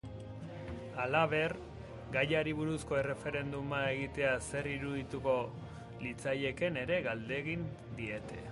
Halaber, gaiari buruzko erreferenduma egitea zer irudituko litzaieken ere galdegin diete.